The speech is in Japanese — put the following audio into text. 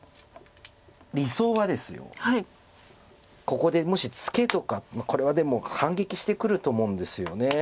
ここでもしツケとかこれはでも反撃してくると思うんですよね。